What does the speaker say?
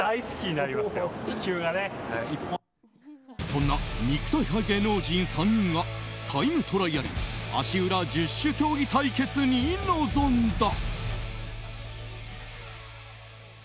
そんな肉体派芸能人３人がタイムトライアル足裏十種競技対決に臨んだ。